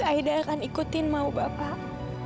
ayah akan ikutin mau bapak